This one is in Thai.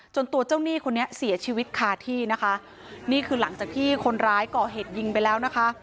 ตัวเจ้าหนี้คนนี้เสียชีวิตคาที่นะคะนี่คือหลังจากที่คนร้ายก่อเหตุยิงไปแล้วนะคะ